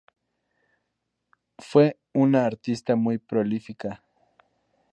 Fue una artista muy prolífica.